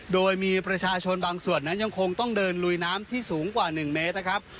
โดยมีประชาชนบางส่วนนั้นยังคงต้องเดินลุยน้ำที่สูงกว่า๑เมตรนะครับ